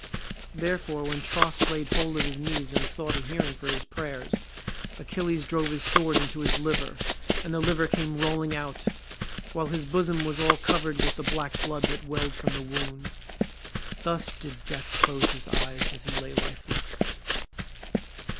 Therefore when Tros laid hold of his knees and sought a hearing for his prayers, Achilles drove his sword into his liver, and the liver came rolling out, while his bosom was all covered with the black blood that welled from the wound. Thus did death close his eyes as he lay lifeless.